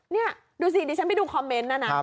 นี่ดูสิดิฉันไปดูคอมเมนต์นะนะ